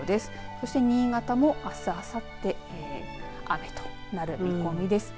そして新潟も、あす、あさって雨となる見込みです。